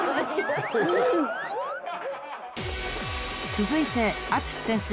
［続いて淳先生